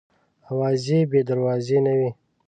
اوازې بې دروازې نه وي.